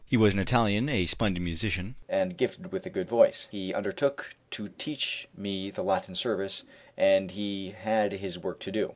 He was an Italian, a splendid musician, and gifted with a good voice; he undertook to teach me the Latin service, and he had his work to do.